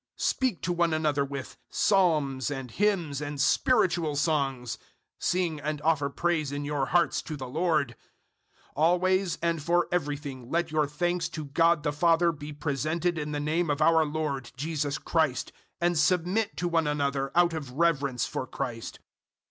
Speak to one another with psalms and hymns and spiritual songs. Sing and offer praise in your hearts to the Lord. 005:020 Always and for everything let your thanks to God the Father be presented in the name of our Lord Jesus Christ; 005:021 and submit to one another out of reverence for Christ.